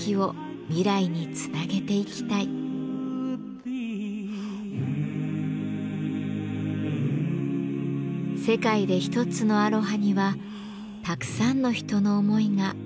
世界で一つのアロハにはたくさんの人の思いが込められています。